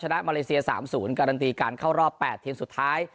มาเลเซีย๓๐การันตีการเข้ารอบ๘ทีมสุดท้าย